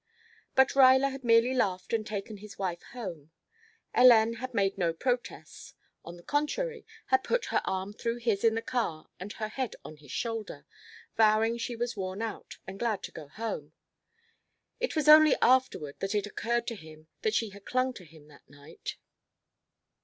But Ruyler had merely laughed and taken his wife home. Hélène had made no protest; on the contrary had put her arm through his in the car and her head on his shoulder, vowing she was worn out, and glad to go home. It was only afterward that it occurred to him that she had clung to him that night.